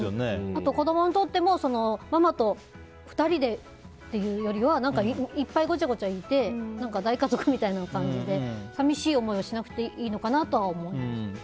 あと、子供にとってもママと２人でっていうよりはいっぱい、ごちゃごちゃといて大家族みたいな感じで寂しい思いをしなくていいのかなと思います。